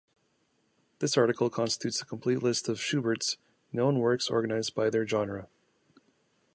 This article constitutes a complete list of Schubert's known works organized by their genre.